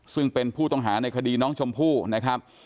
ซึ่งเป็นผู้ต้องหาในคดีน้องชมพู่นะครับ